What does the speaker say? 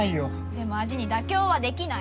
でも味に妥協はできない。